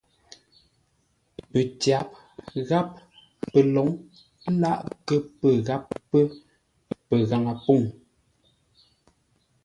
Pətyáp gháp pəlǒŋ láʼ kə pə́ gháp pə́ pəghaŋə pûŋ.